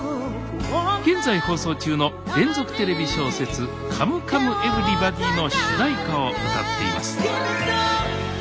現在放送中の連続テレビ小説「カムカムエヴリバディ」の主題歌を歌っています